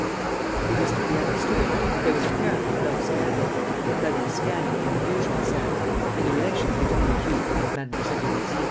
It is to be understood that there was apparently no scandal that is, scandal in the usual sense in the relations between the duke and Mademoiselle de Luzy.